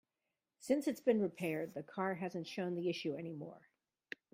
Since it's been repaired, the car hasn't shown the issue any more.